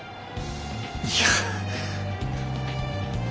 いや。